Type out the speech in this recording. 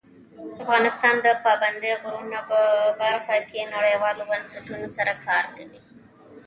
افغانستان د پابندی غرونه په برخه کې نړیوالو بنسټونو سره کار کوي.